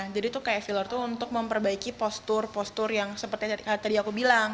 jadi itu kayak filler itu untuk memperbaiki postur postur yang seperti tadi aku bilang